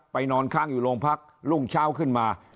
นอนค้างอยู่โรงพักรุ่งเช้าขึ้นมา